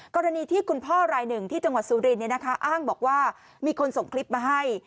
กรณีที่คุณพ่อรายหนึ่งที่จังหวัดสุรินทร์อ้างบอกว่ามีคนส่งคลิปมาให้